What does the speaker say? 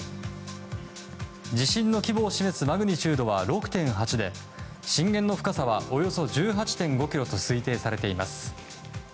地震の規模を示すマグニチュードは６．８で震源の深さはおよそ１８．５ｋｍと推定されています。